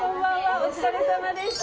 お疲れさまでした。